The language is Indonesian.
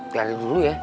tiarin dulu ya